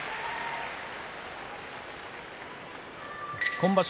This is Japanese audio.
今場所